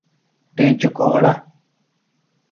ٹِینچُک اوڑہ۔